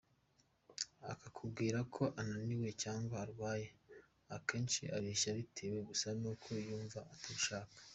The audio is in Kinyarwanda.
Akakubwira ko ananiwe cyangwa arwaye, akenshi abeshya, bitewe gusa nuko yumva atabishaka.